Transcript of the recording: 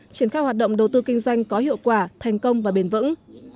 triển khai hoạt động đầu tư kinh doanh có hiệu quả thành công và bền vững